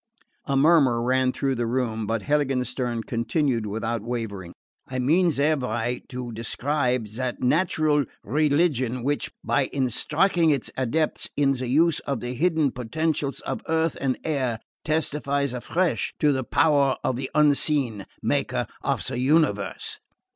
A murmur ran through the room, but Heiligenstern continued without wavering: "I mean thereby to describe that natural religion which, by instructing its adepts in the use of the hidden potencies of earth and air, testifies afresh to the power of the unseen Maker of the Universe."